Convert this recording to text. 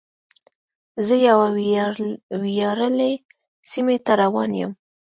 زه یوې ویاړلې سیمې ته روان یم.